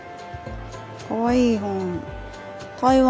かわいい本。